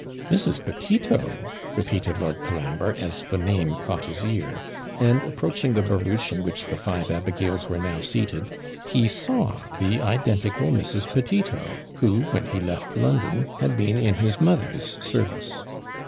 'Mrs. Petito!' repeated Lord Colambre, as the name caught his ear; and, approaching the barouche in which the five abigails were now seated, he saw the identical Mrs. Petito, who, when he left London, had been in his mother's service.